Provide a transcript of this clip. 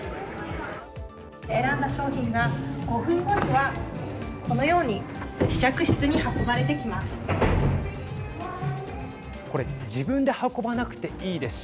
選んだ商品が５分後にはこのように試着室に運ばれてきます。